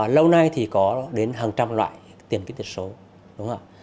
lâu nay thì có đến hàng trăm loại tiền kỹ thuật số đúng không